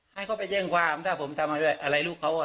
ให้เขาไปแจ้งความถ้าผมทำอะไรลูกเขา